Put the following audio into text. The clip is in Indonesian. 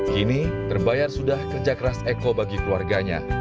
kini terbayar sudah kerja keras eko bagi keluarganya